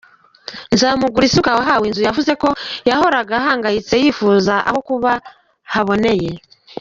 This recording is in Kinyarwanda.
Nzamugurisuka wahawe inzu yavuze ko yahoraga ahangayitse yifuza aho kuba haboneye.